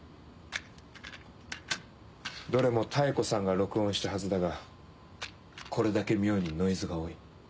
どれも妙子さんが録音したはずだがこれだけ妙にノイズが多い。